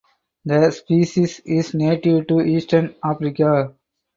The species is native to eastern Africa.